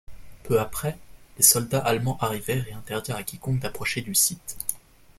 Peu après, les soldats allemands arrivèrent et interdirent à quiconque d'approcher du site.